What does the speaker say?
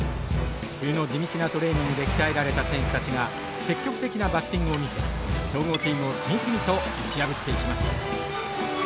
冬の地道なトレーニングで鍛えられた選手たちが積極的なバッティングを見せ強豪チームを次々と打ち破っていきます。